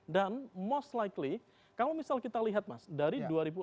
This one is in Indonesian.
dan most likely kalau misalnya kita lihat mas dari dua ribu enam belas